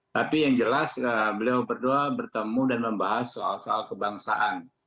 tapi yang jelas beliau berdua bertemu dan membahas soal soal kebangsaan